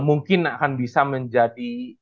mungkin akan bisa menjadi